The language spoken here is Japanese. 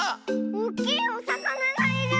おっきいおさかながいる！